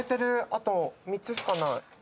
あと３つしかない。